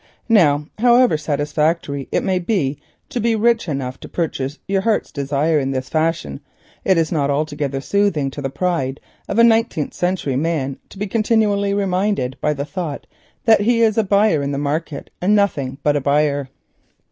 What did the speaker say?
Now, however satisfactory it is to be rich enough to purchase your heart's desire in this fashion, it is not altogether soothing to the pride of a nineteenth century man to be continually haunted by the thought that he is a buyer in the market and nothing but a buyer.